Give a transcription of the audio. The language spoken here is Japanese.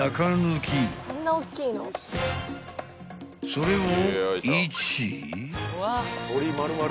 ［それを］